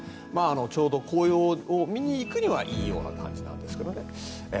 ちょうど紅葉を見に行くにはいいような感じなんですけどね。